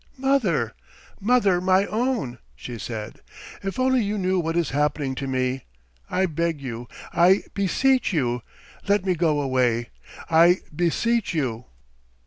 "Mother, mother, my own," she said. "If only you knew what is happening to me! I beg you, I beseech you, let me go away! I beseech you!"